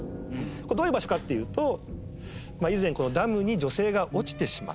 どういう場所かっていうと以前ダムに女性が落ちてしまった。